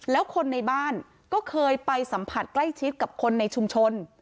แล้วคนในบ้านก็เคยไปสัมผัสใกล้ชิดกับคนในชุมชน